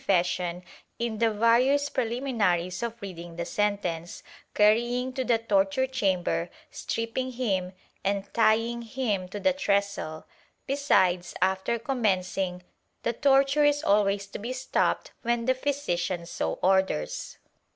16 TORTURE [Book VI fession in the various preliminaries of reading the sentence, carrying to the torture chamber, stripping him and tjdng him to the trestle; besides, after commencing, the torture is always to be stopped when the physician so orders.